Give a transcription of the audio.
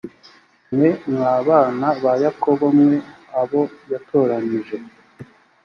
mwe mwa bana ba yakobo mwe abo yatoranije